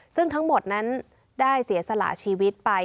ซึ่งทั้งหมดนั้นได้เสียสละชีวิตไป